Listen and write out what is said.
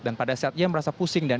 dan pada saat ia merasa pusing